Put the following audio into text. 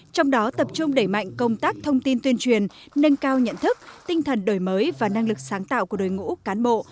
trong đó tập trung đẩy mạnh công tác thông tin tuyên truyền nâng cao nhận thức tinh thần đổi mới và năng lực sáng tạo của đội ngũ cán bộ